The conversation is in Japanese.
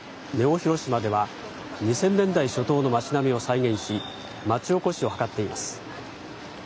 広島では２０００年代初頭の街並みを再現し町おこしを図っています。